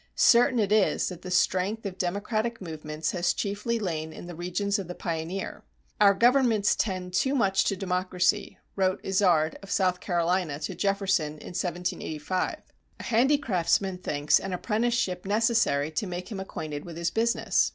Certain it is that the strength of democratic movements has chiefly lain in the regions of the pioneer. "Our governments tend too much to democracy," wrote Izard, of South Carolina, to Jefferson, in 1785. "A handicraftsman thinks an apprenticeship necessary to make him acquainted with his business.